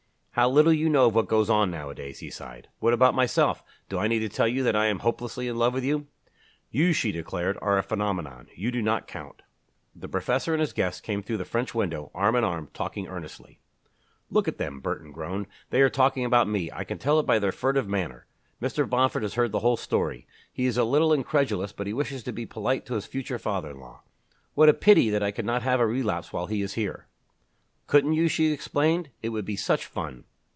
"How little you know of what goes on nowadays!" he sighed. "What about myself? Do I need to tell you that I am hopelessly in love with you?" "You," she declared, "are a phenomenon. You do not count." The professor and his guest came through the French window, arm in arm, talking earnestly. "Look at them!" Burton groaned. "They are talking about me I can tell it by their furtive manner. Mr. Bomford has heard the whole story. He is a little incredulous but he wishes to be polite to his future father in law. What a pity that I could not have a relapse while he is here!" "Couldn't you?" she exclaimed. "It would be such fun!"